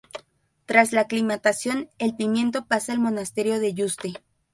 Tras la aclimatación, el pimiento pasa al monasterio de Yuste.